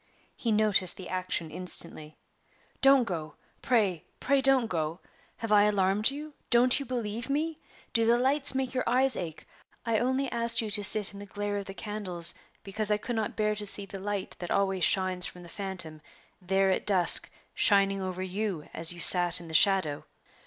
He noticed the action instantly. "Don't go! pray pray don't go! Have I alarmed you? Don't you believe me? Do the lights make your eyes ache? I only asked you to sit in the glare of the candles because I could not bear to see the light that always shines from the phantom there at dusk shining over you as you sat in the shadow.